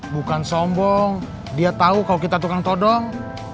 bukan sombong dia tahu kalau kita tukang todong